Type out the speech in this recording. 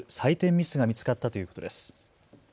ミスが見つかったということです。